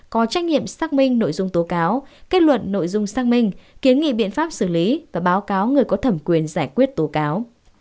có trách nhiệm xác minh nội dung tố cáo kết luận nội dung xác minh kiến nghị biện pháp xử lý và báo cáo người có thẩm quyền giải quyết tố cáo